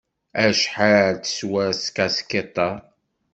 Acḥal teswa tkaskiḍt-a?